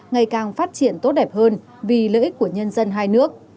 ngày càng phát triển tốt đẹp hơn vì lợi ích của nhân dân hai nước